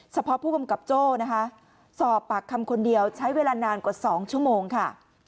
เฉพาะผู้กำกับโจ้นะคะสอบปากคำคนเดียวใช้เวลานานกว่า๒ชั่วโมงค่ะ